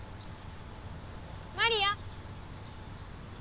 マリア！